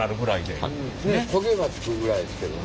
焦げがつくぐらいですけどね。